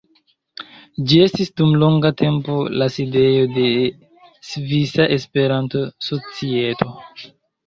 Ĝi estis dum longa tempo la sidejo de Svisa Esperanto-Societo.